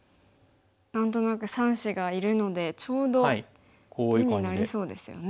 何となく３子がいるのでちょうど地になりそうですよね。